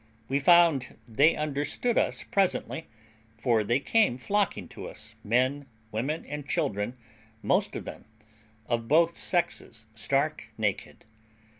We found they understood us presently, for they came flocking to us, men, women, and children, most of them, of both sexes, stark naked.